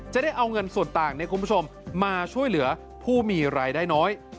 จะได้เอาเงินส่วนต่างคุณผู้ชมมาช่วยเหลือผู้มีรายได้น้อย